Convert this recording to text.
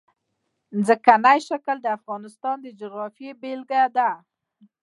ځمکنی شکل د افغانستان د جغرافیې بېلګه ده.